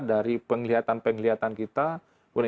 dari penglihatan penglihatan kita